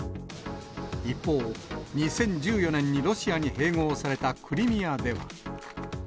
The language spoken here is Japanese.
一方、２０１４年にロシアに併合されたクリミアでは。